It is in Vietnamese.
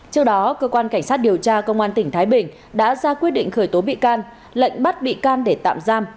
trước đó cơ quan cảnh sát điều tra công an tỉnh thái bình đã ra quyết định khởi tố bị can lệnh bắt bị can để tạm giam